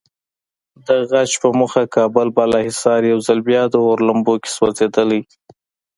د غچ په موخه کابل بالاحصار یو ځل بیا د اور لمبو کې سوځېدلی.